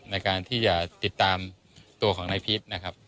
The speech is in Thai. ในการที่จะติดตามตัวของนายพีชนะครับ